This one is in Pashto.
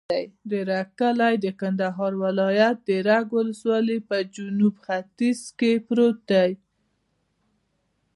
د رګ کلی د کندهار ولایت، رګ ولسوالي په جنوب ختیځ کې پروت دی.